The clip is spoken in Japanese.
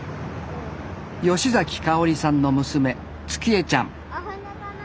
吉かおりさんの娘月絵ちゃん。